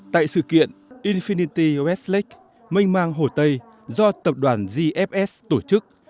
tại sự kiện infinity westlake makeng mang hồ tây do tập đoàn gfs tổ chức